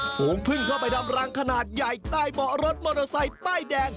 ฝูงพึ่งเข้าไปดำรังขนาดใหญ่ใต้เบาะรถมอเตอร์ไซค์ป้ายแดง